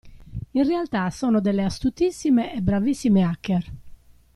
In realtà sono delle astutissime e bravissime hacker.